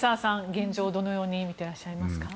現状をどのように見ていらっしゃいますか。